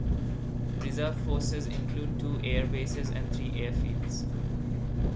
Reserve forces include two air bases and three airfields.